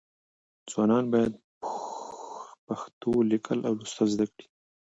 ځوانان باید پښتو لیکل او لوستل زده کړي.